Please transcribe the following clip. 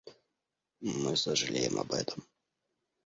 Мы сожалеем об этом.